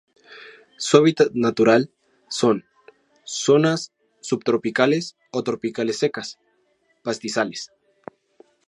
Su hábitat natural son: zonas subtropicales o tropicales secas, pastizales.